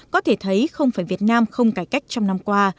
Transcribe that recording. có thể thấy không phải việt nam không cải cách trong năm qua